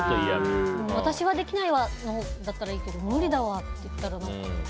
私はできないわだったらいいけど無理だわって言われたら。